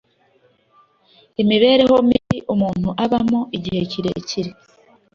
Imibereho mibi umuntu abamo igihe kirekire